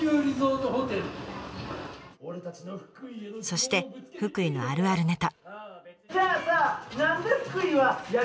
そして福井のあるあるネタ。